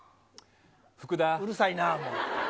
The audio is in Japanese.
うるさいな、もう。